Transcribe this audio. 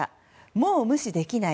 もう無視できない！